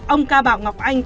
ông ca bảo ngọc anh